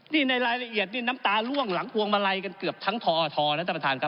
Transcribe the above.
นี่ในรายละเอียดนี่น้ำตาล่วงหลังพวงมาลัยกันเกือบทั้งทอทนะท่านประธานครับ